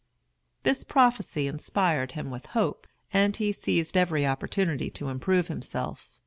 This prophecy inspired him with hope, and he seized every opportunity to improve himself.